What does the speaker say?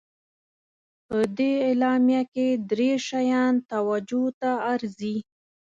په دې اعلامیه کې درې شیان توجه ته ارزي.